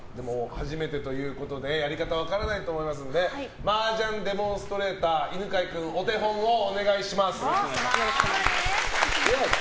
初めてということでやり方が分からないと思うので麻雀デモンストレーター犬飼君、お手本をお願いします。